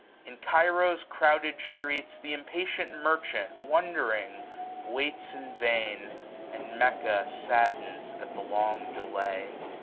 In Cairo's crouded streets Th* impatient merchant, wondering, waits in vain. And Mecca saddens at the long delay.